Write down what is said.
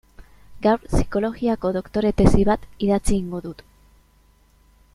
Gaur psikologiako doktore tesi bat idatzi egingo dut.